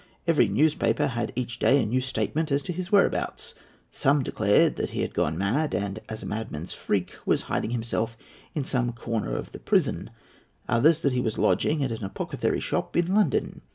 Every newspaper had each day a new statement as to his whereabouts. Some declared that he had gone mad, and, as a madman's freak, was hiding himself in some corner of the prison; others that he was lodging at an apothecary's shop in London.